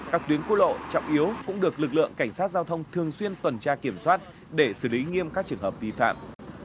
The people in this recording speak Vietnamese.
các tuyến quốc lộ trọng yếu cũng được lực lượng cảnh sát giao thông thường xuyên tuần tra kiểm soát để xử lý nghiêm các trường hợp vi phạm